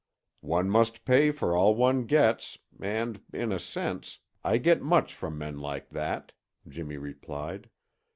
"One must pay for all one gets, and, in a sense, I get much from men like that," Jimmy replied.